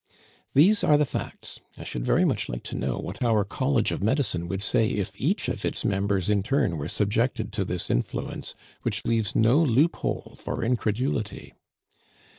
"These are the facts. I should very much like to know what our College of Medicine would say if each of its members in turn were subjected to this influence, which leaves no loophole for incredulity.